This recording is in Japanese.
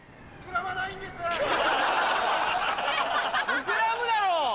膨らむだろ！